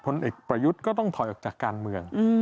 ผลเอกประยุทธ์ก็ต้องถอยออกจากการเมือง